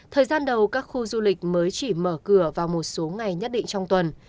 thời gian đầu các khu du lịch mới chỉ mở cửa vào một số ngày nhất định trong tuần